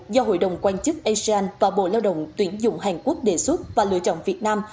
do hội đồng quan chức asean và bộ lao động tuyển dụng hàn quốc đề xuất và lựa chọn việt nam